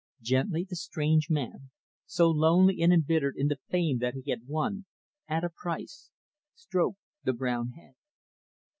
Gently, the strange man so lonely and embittered in the fame that he had won at a price stroked the brown head.